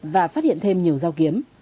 và phát hiện thêm nhiều dao kiếm